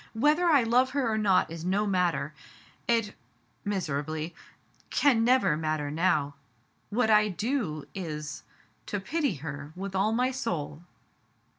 Whether I love her or not is no matter. It "— miserably — "can never matter now. What I do is — to pity her with all my soul."